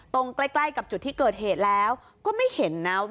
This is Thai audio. ใกล้ใกล้กับจุดที่เกิดเหตุแล้วก็ไม่เห็นนะว่า